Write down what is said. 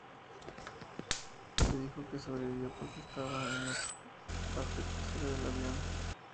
Se dijo que sobrevivió porque estaba en la parte trasera del avión.